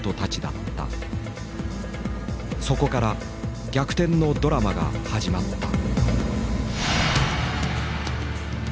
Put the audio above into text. そこから逆転のドラマが始まった。